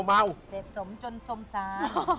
เสร็จสมจนสมสาร